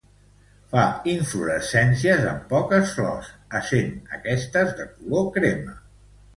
Fa inflorescències amb poques flors, essent aquestes de color crema.